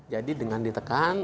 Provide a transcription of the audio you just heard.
jadi dengan ditekan